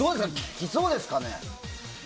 来そうですかね？